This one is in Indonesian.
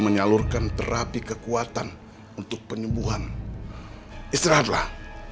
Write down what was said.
menyalurkan terapi kekuatan untuk penyembuhan istirahatlah